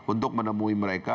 untuk menemui mereka